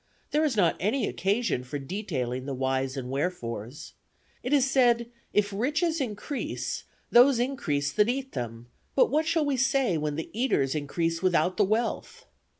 There is not any occasion for detailing the whys and wherefores. It is said, if riches increase, those increase that eat them; but what shall we say, when the eaters increase without the wealth?